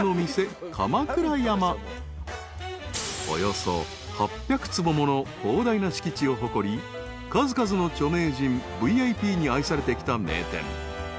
［およそ８００坪もの広大な敷地を誇り数々の著名人ＶＩＰに愛されてきた名店］